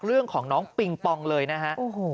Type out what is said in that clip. เรื่องของน้องปิงปองเลยนะฮะ